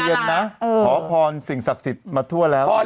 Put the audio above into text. เย็นนะขอพรสิ่งศักดิ์สิทธิ์มาทั่วแล้ว